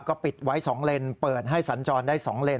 ก็ปิดไว้๒เลนเปิดให้สัญจรได้๒เลน